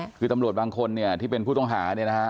ก็คือตำรวจบางคนที่เป็นผู้ต้องหา